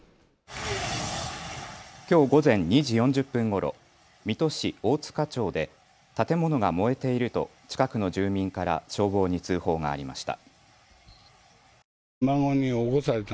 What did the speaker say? きょう午前２時４０分ごろ、水戸市大塚町で建物が燃えていると近くの住民から消防に通報がありました。